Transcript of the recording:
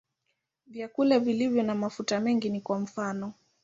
Vyakula vilivyo na mafuta mengi ni kwa mfano.